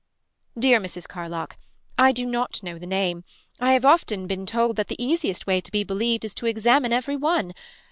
Dear Mrs. Carlock. I do not know the name. I have often been told that the easiest way to be believed is to examine every one.